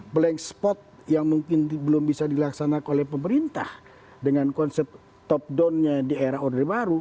blank spot yang mungkin belum bisa dilaksanakan oleh pemerintah dengan konsep top downnya di era order baru